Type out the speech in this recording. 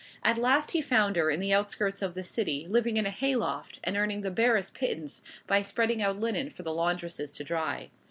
At last he found her in the outskirts of the city, living in a hay loft, and earning the barest pittance by spreading out linen for the laundresses to dry.